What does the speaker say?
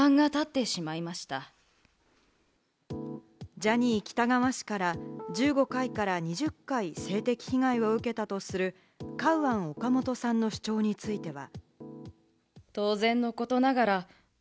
ジャニー喜多川氏から１５回から２０回、性的被害を受けたとするカウアン・オカモトさんの主張については。